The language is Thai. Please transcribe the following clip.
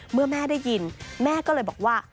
เมื่อแม่ได้ยินแม่ก็เลยบอกว่า